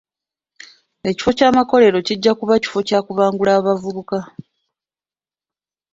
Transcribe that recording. Ekifo ky'amakolero kijja kuba kifo kya kubangula abavubuka .